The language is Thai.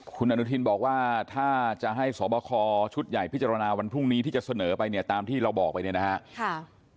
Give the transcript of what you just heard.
คุณอนุทินบอกว่าถ้าจะให้สอบคอชุดใหญ่พิจารณาวันพรุ่งนี้ที่จะเสนอไปเนี่ยตามที่เราบอกไปเนี่ยนะครับ